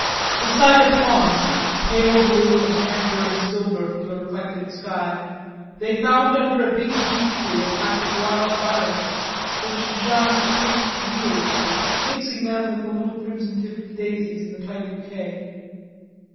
Beside a pond pale blue and amber and silver from the reflected sky, they found under a big beech tree a patch of wild violets, which Jeanne picked greedily, mixing them with the little crimson tipped daisies in the tight bouquet.